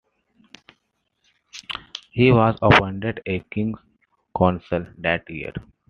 He was appointed a King's Counsel that year.